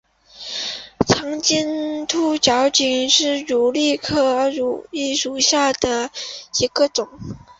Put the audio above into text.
长尖突紫堇为罂粟科紫堇属下的一个种。